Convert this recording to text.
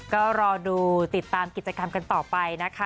ก็รอดูติดตามกิจกรรมกันต่อไปนะคะ